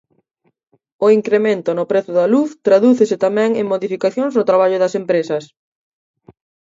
O incremento no prezo da luz tradúcese tamén en modificacións no traballo das empresas.